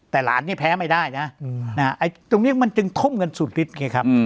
แต่หลานเนี่ยแพ้ไม่ได้นะไอ้ตรงนี้มันจึงทุ่มเงินสุดฤทธิไงครับ